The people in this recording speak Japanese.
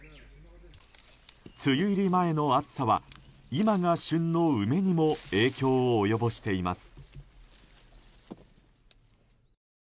梅雨入り前の暑さは今が旬の梅にも影響を及ぼしています。